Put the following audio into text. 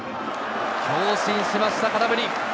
強振しました、空振り。